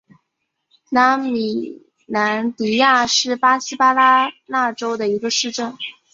拉米兰迪亚是巴西巴拉那州的一个市镇。